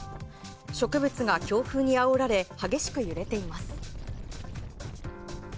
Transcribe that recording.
植物が強風にあおられ激しく揺れています。